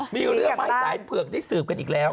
มีเรือไม้สายเผือกได้สืบกันอีกแล้ว